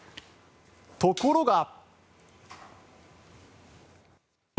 ところが。